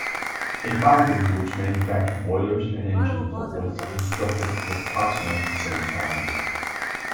A foundry which manufactured boilers and engines was constructed at approximately the same time.